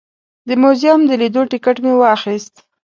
د موزیم د لیدو ټکټ مې واخیست.